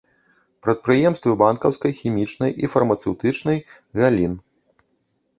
Прадпрыемствы банкаўскай, хімічнай і фармацэўтычнай галін.